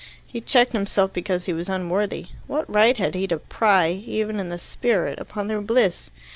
He checked himself because he was unworthy. What right had he to pry, even in the spirit, upon their bliss?